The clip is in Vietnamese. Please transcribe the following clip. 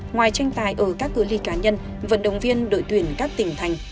ngoài tranh tài ở các cửa ly cá nhân vận động viên đội tuyển các tỉnh thành